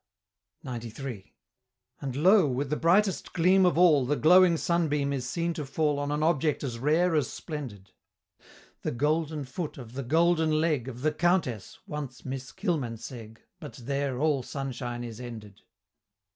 CCXCIII. And lo! with the brightest gleam of all The glowing sunbeam is seen to fall On an object as rare as spendid The golden foot of the Golden Leg Of the Countess once Miss Kilmansegg But there all sunshine is ended.